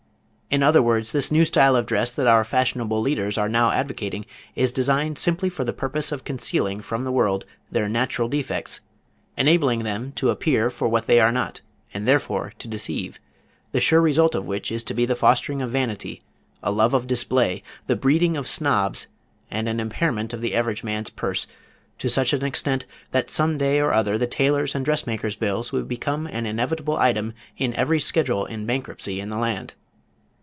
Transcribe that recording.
In other words this new style of dress that our fashionable leaders are now advocating is designed simply for the purpose of concealing from the world their natural defects, enabling them to appear for what they are not, and therefore to deceive, the sure result of which is to be the fostering of vanity, a love of display, the breeding of snobs, and an impairment of the average man's purse to such an extent that some day or other tailors' and dressmakers' bills will become an inevitable item in every schedule in bankruptcy in the land.